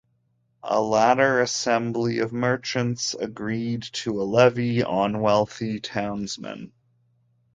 A later assembly of merchants agreed a levy on wealthy townsmen.